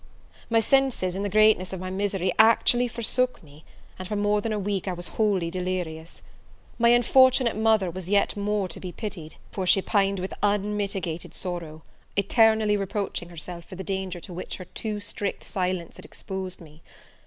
My senses, in the greatness of my misery, actually forsook me, and, for more than a week, I was wholly delirious. My unfortunate mother was yet more to pitied; for she pined with unmitigated sorrow, eternally reproaching herself for the danger to which her too strict silence had exposed me.